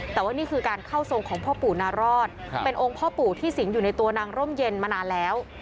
แต่ว่านี่คือการเข้าทรงของพ่อปู่นารอดเป็นองค์พ่อปู่ที่สิงห์อยู่ในตัวนางร่มเย็นมานานแล้ว